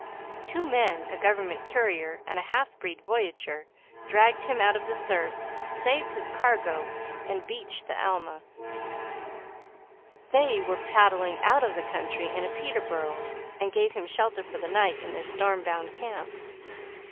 Two men, a government courier and a half breed voyageur, dragged him out of the surf, saved his cargo, and beached the Alma. They were paddling out of the country in a Peterborough, and gave him shelter for the night in their storm bound camp.